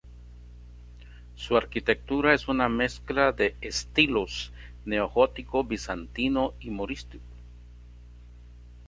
Su arquitectura es una mezcla de estilos neogótico, bizantino y morisco.